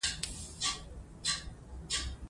لوستې میندې ماشوم ته سالم عادتونه ورزده کوي.